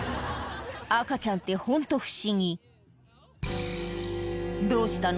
赤ちゃんってホント不思議どうしたの？